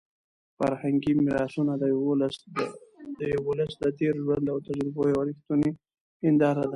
فرهنګي میراثونه د یو ولس د تېر ژوند او تجربو یوه رښتونې هنداره ده.